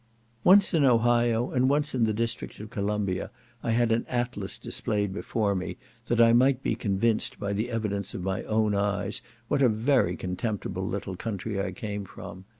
Once in Ohio, and once in the district of Columbia, I had an atlas displayed before me, that I might be convinced by the evidence of my own eyes what a very contemptible little country I came from.